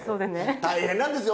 大変なんですよ